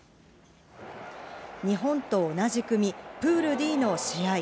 日本と同じ組、プールＤの試合。